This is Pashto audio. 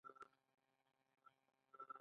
سیلاب څنګه مخنیوی کړو؟